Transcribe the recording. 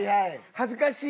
恥ずかしい？